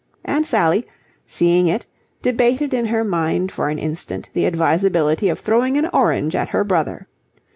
And Sally, seeing it, debated in her mind for an instant the advisability of throwing an orange at her brother.